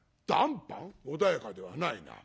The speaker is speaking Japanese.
穏やかではないな。